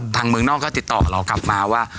ทางเมืองนอกก็ติดต่อเรากลับมาว่า